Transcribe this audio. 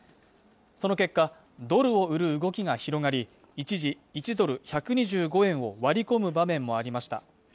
その結果ドルを売る動きが広がり一時１ドル＝１２５円を割り込む場面もありました